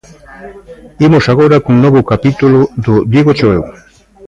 Imos agora cun novo capítulo do DígochoEu.